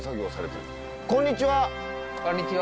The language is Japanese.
こんにちは。